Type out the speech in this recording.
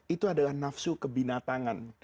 itu adalah nafsu kebinatangan